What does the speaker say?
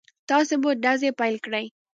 تاسې به ډزې پيل کړئ.